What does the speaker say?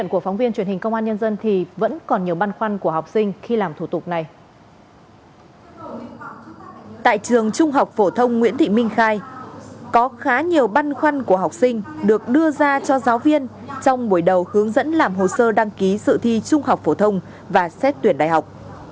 tại trường trung học phổ thông nguyễn thị minh khai có khá nhiều băn khoăn của học sinh được đưa ra cho giáo viên trong buổi đầu hướng dẫn làm hồ sơ đăng ký sự thi trung học phổ thông và xét tuyển đại học